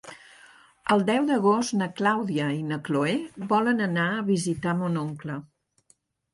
El deu d'agost na Clàudia i na Cloè volen anar a visitar mon oncle.